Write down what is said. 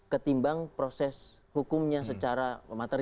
ketimbang proses hukumnya secara material